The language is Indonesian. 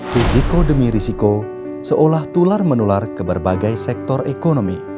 risiko demi risiko seolah tular menular ke berbagai sektor ekonomi